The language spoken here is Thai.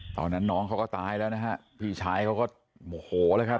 ตอนนั้นน้องเขาก็ตายแล้วนะฮะพี่ชายเขาก็โมโหเลยครับ